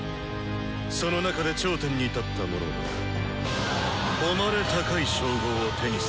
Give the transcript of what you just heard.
その中で「頂点」に立った者は誉れ高い称号を手にするのだ。